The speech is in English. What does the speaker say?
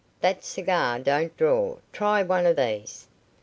That cigar don't draw. Try one of these.